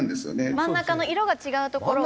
真ん中の色が違う所を。